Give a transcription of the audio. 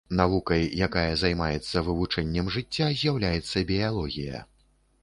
Навукай, якая займаецца вывучэннем жыцця, з'яўляецца біялогія.